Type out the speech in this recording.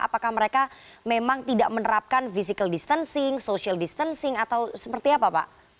apakah mereka memang tidak menerapkan physical distancing social distancing atau seperti apa pak